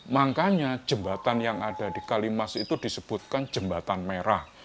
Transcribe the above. makanya jembatan yang ada di kalimas itu disebutkan jembatan merah